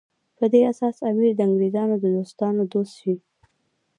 په دې اساس امیر د انګریزانو د دوستانو دوست شي.